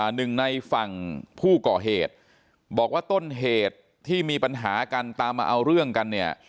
หนึ่งในฝั่งผู้ก่อเหตุบอกว่าต้นเหตุที่มีปัญหากันตามมาเอาเรื่องกันเนี่ย